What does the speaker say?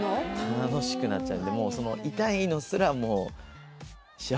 楽しくなっちゃうんでえ！